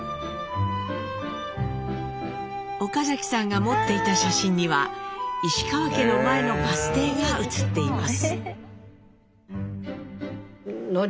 岡嵜さんが持っていた写真には石川家の前のバス停が写っています。